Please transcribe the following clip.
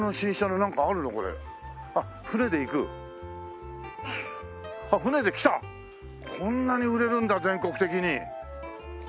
こんなに売れるんだ全国的に。